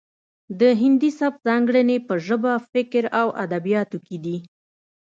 د هندي سبک ځانګړنې په ژبه فکر او ادبیاتو کې دي